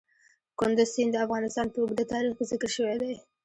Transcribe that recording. کندز سیند د افغانستان په اوږده تاریخ کې ذکر شوی دی.